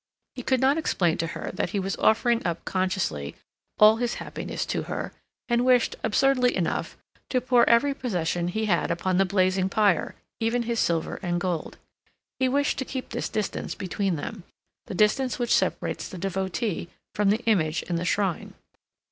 He could not explain to her that he was offering up consciously all his happiness to her, and wished, absurdly enough, to pour every possession he had upon the blazing pyre, even his silver and gold. He wished to keep this distance between them—the distance which separates the devotee from the image in the shrine.